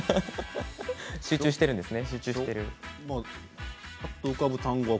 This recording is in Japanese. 集中しているんですね。